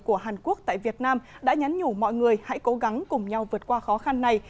của hàn quốc tại việt nam đã nhắn nhủ mọi người hãy cố gắng cùng nhau vượt qua khó khăn này